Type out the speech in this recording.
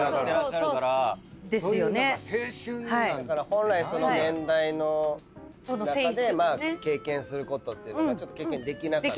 本来その年代の中で経験することっていうのがちょっと経験できなかった。